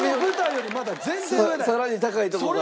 さらに高いところから。